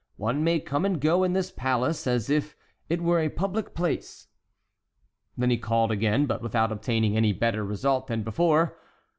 "One may come and go in this palace as if it were a public place." Then he called again, but without obtaining any better result than before.